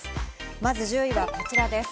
まず１０位はこちらです。